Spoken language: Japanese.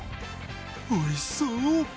おいしそう！